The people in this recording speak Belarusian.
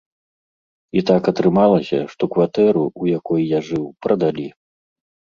І так атрымалася, што кватэру, у якой я жыў, прадалі.